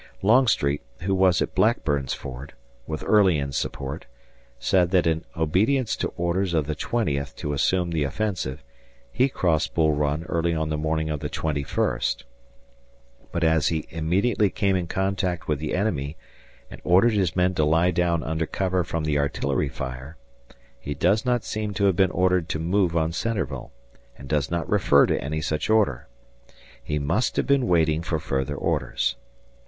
Longstreet, who was at Blackburn's Ford, with Early in support, said that in obedience to orders of the twentieth to assume the offensive, he crossed Bull Run early on the morning of the twenty first, but as he immediately came in contact with the enemy and ordered his men to lie down under cover from the artillery fire, he does not seem to have been ordered to move on Centreville, and does not refer to any such order. He must have been waiting for further orders.